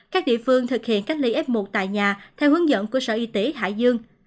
các địa phương thực hiện cách ly f một tại nhà theo hướng dẫn của sở y tế hải dương